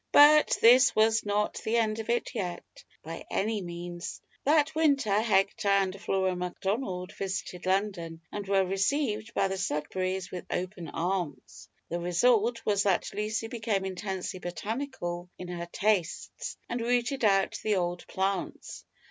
But this was not the end of it yet, by any means. That winter Hector and Flora Macdonald visited London and were received by the Sudberrys with open arms. The result was that Lucy became intensely botanical in her tastes, and routed out the old plants.